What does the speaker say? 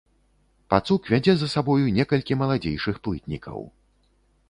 Пацук вядзе за сабою некалькі маладзейшых плытнікаў.